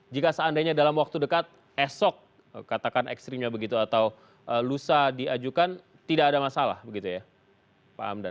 jika seandainya dalam waktu dekat esok katakan ekstrimnya begitu atau lusa diajukan tidak ada masalah begitu ya pak hamdan